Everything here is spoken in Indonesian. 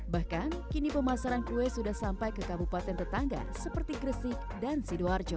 bahkan kini pemasaran kue sudah sampai ke kabupaten tetangga seperti gresik dan sidoarjo